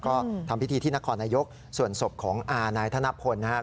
ก็ทำพิธีที่นครนายกส่วนศพของอานายธนพลนะครับ